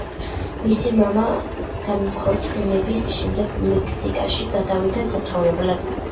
მისი მამა განქორწინების შემდეგ მექსიკაში გადავიდა საცხოვრებლად.